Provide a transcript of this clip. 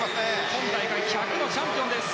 今大会１００のチャンピオン。